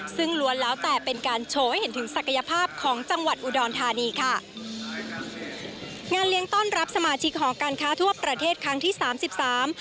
ซึ่งล้วนแล้วแต่เป็นการโชว์ให้เห็นถึงศักยภาพของจังหวัดอุดรธานีค่ะงานเลี้ยงต้อนรับสมาชิกหอการค้าทั่วประเทศครั้งที่สามสิบสาม